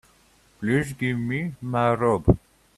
Please give me my robe.